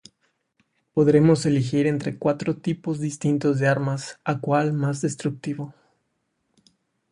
Podremos elegir entre cuatro tipos distintos de armas, a cual más destructivo.